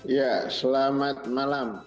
ya selamat malam